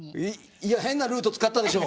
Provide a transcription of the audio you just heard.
いや変なルート使ったでしょう？